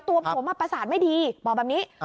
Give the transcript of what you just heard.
ตัวผมประสาทไม่ดีบอกแบบนี้